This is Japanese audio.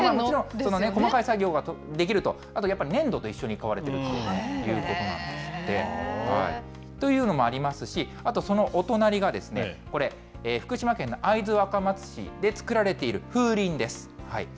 細かい作業ができると、あとやっぱり、粘土と一緒に買われているということなんですって。というのもありますし、あと、そのお隣がこれ、福島県の会津若松市で作られている風鈴です。